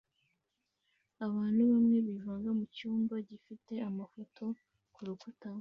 Abantu bamwe bivanga mucyumba gifite amafoto kurukuta